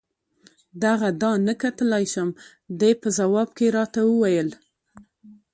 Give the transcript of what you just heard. دغه دانه کتلای شم؟ دې په ځواب کې راته وویل.